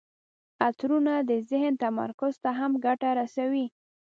عطرونه د ذهن تمرکز ته هم ګټه رسوي.